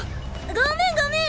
ごめんごめん！